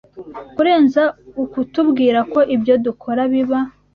kurenza ukutubwira ko ibyo dukora biba